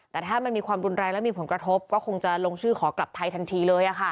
แต่ถ้ามันมีความรุนแรงและมีผลกระทบก็คงจะลงชื่อขอกลับไทยทันทีเลย